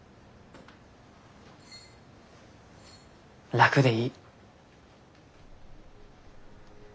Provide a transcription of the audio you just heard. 楽でいい。